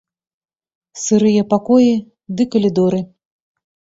Сырыя пакоі ды калідоры.